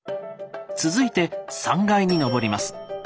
続いて３階にのぼります。